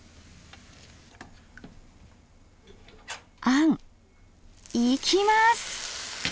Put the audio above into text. あんいきます！